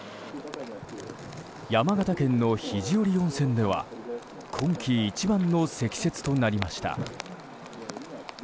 山形県の肘折温泉では今季一番の積雪となりました。